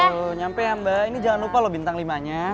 aduh nyampe ya mba ini jangan lupa loh bintang limanya